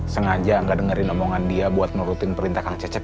sengaja nggak dengerin omongan dia buat menurutin perintah kak cecek